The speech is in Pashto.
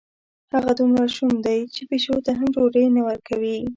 هغه دومره شوم دی، چې پیشو ته هم ډوډۍ نه ورکوي.